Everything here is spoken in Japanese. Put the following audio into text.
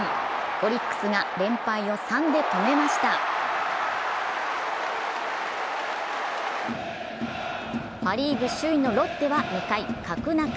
オリックスが連敗を３で止めましたパ・リーグ首位のロッテは２回、角中。